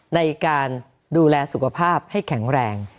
ในการดูแลสุขภาพให้แข็งแรง